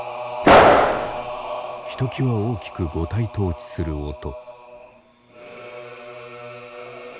ひときわ大きく五体投地する音。